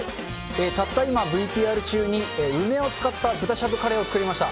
たった今ＶＴＲ中に、梅を使った豚しゃぶカレーを作りました。